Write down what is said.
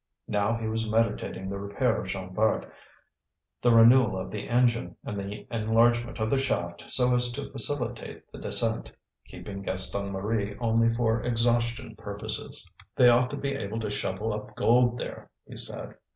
Now he was meditating the repair of Jean Bart, the renewal of the engine, and the enlargement of the shaft so as to facilitate the descent, keeping Gaston Marie only for exhaustion purposes. They ought to be able to shovel up gold there, he said.